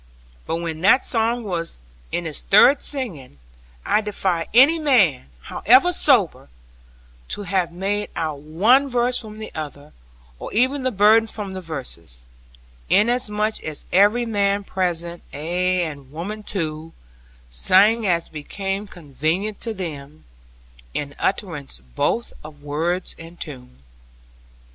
But when that song was in its third singing, I defy any man (however sober) to have made out one verse from the other, or even the burden from the verses, inasmuch as every man present, ay, and woman too, sang as became convenient to them, in utterance both of words and tune.